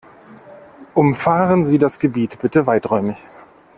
Umfahren Sie das Gebiet bitte weiträumig.